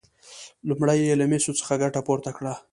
لومړی یې له مسو څخه ګټه پورته کړه.